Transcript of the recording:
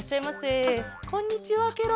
あっこんにちはケロ。